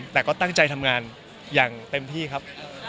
แต่ก็ตั้งใจทำงานอย่างเต็มที่ครับ